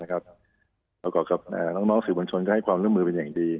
ประกอบกับน้องสื่อมวลชนก็ให้ความร่วมมือเป็นอย่างดี